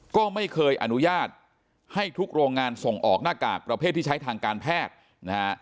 ก็ไม่เคยอนุญาตให้ทุกโรงงานส่งออกหน้ากากประเภทที่ใช้ทางการแพทย์นะฮะ